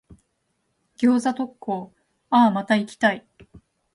餃子特講、あぁ、また行きたい。